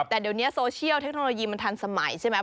แต่เดี๋ยวนี้โซเชียลเทคโนโลยีมันทันสมัยใช่ไหม